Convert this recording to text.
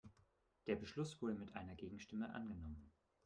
Der Beschluss wurde mit einer Gegenstimme angenommen.